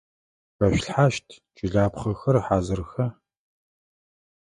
Хэшъулъхьащт чылапхъэхэр хьазырха?